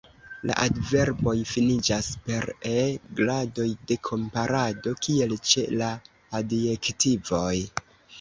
La adverboj finiĝas per e; gradoj de komparado kiel ĉe la adjektivoj.